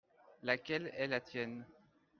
Laquelle est la tienne ?